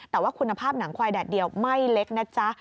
แต่ว่าคุณภาพหนังควายแดดเดียวไม่เล็กนะจ๊ะ